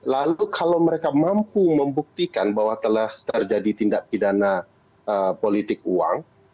lalu kalau mereka mampu membuktikan bahwa telah terjadi tindak pidana politik uang